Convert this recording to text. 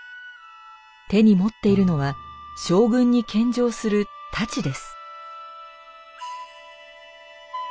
手に持っているのは将軍に献上する太刀です。